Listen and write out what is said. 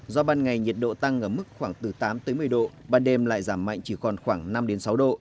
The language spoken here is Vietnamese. do ban ngày nhiệt độ tăng ở mức khoảng từ tám một mươi độ ban đêm lại giảm mạnh chỉ còn khoảng năm sáu độ